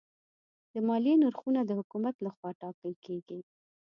د مالیې نرخونه د حکومت لخوا ټاکل کېږي.